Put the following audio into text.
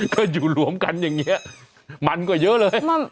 ก็อยู่รวมกันอย่างนี้มันก็เยอะเลย